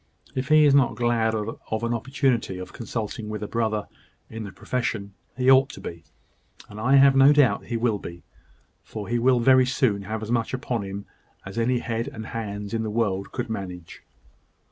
If he is not glad of an opportunity of consulting with a brother in the profession, he ought to be and I have no doubt he will be; for he will very soon have as much upon him as any head and hands in the world could manage."